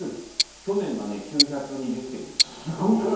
去年が９２０席でした。